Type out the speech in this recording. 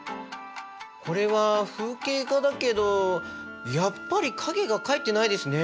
これは風景画だけどやっぱり影が描いてないですね。